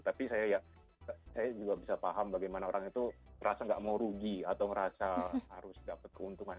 tapi saya ya saya juga bisa paham bagaimana orang itu merasa enggak mau rugi atau merasa harus dapat keuntungan